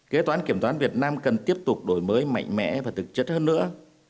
kế toán kiểm toán việt nam cần tiếp tục đổi mới mạnh mẽ và thực chất hơn nữa